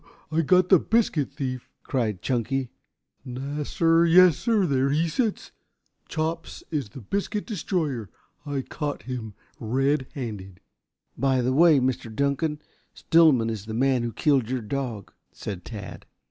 "I I got the biscuit thief!" cried Chunky. "Nassir. Yassir. There he sits. Chops is the biscuit destroyer. I caught him red handed." "By the Way, Mr. Dunkan, Stillman is the man who killed your dog," said Tad.